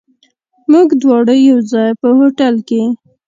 موږ دواړه یو ځای، په هوټل کې.